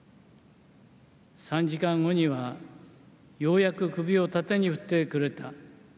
３時間後にはようやく首を縦に振ってくれた。